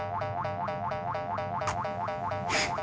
フッ！